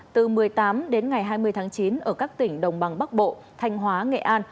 từ một mươi tám đến ngày hai mươi tháng chín ở các tỉnh đồng bằng bắc bộ thanh hóa nghệ an